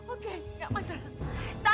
oke enggak masalah